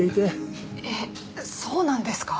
えっそうなんですか？